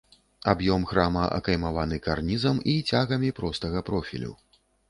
Аб'ём храма акаймаваны карнізам і цягамі простага профілю.